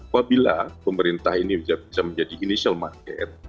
apabila pemerintah ini bisa menjadi initial market